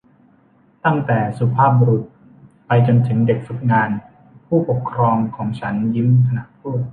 ตั้งแต่สุภาพบุรุษไปจนถึงเด็กฝึกงาน ผู้ปกครองของฉันยิ้มขณะพูด